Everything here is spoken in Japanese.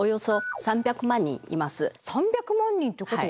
３００万人っていうことは？